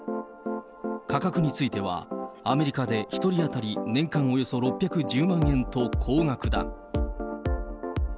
価格については、アメリカで１人当たり年間およそ６１０万円と高額だ。